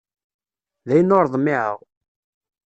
Dayen ur ḍmiεeɣ.